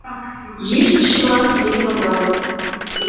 Йӱштӧ шӱман лийын онал